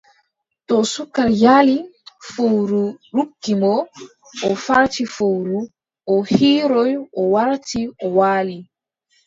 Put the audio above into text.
To suka yaali. Fowru ruggi mo. O farti fowru, o hiiroy, o warti, o waali.